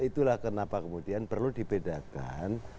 itulah kenapa kemudian perlu dibedakan